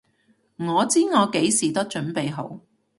我知我幾時都準備好！